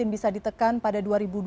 bisa ditekan pada dua ribu dua puluh